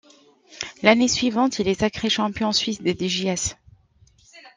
L’année suivante, il est sacré Champion Suisse des Djs.